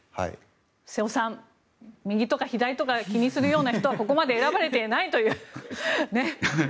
瀬尾さん、右とか左とか気にするような人はここまで選ばれていないという。